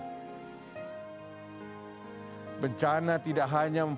pesawat yang berkapasitas dua belas orang penumpang itu bisa berhasil mendarat di melabuh